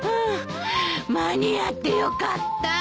間に合ってよかった。